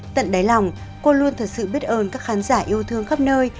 tận đáy lòng cô luôn thật sự biết ơn các khán giả yêu thương khắp nơi